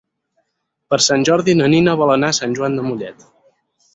Per Sant Jordi na Nina vol anar a Sant Joan de Mollet.